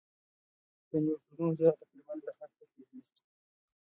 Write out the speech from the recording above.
د نیوټرینو ذره تقریباً له هر څه تېرېږي.